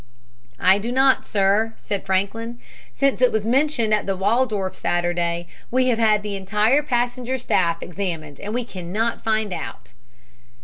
"I do not, sir," said Franklin. "Since it was mentioned at the Waldorf Saturday we have had the entire passenger staff examined and we cannot find out."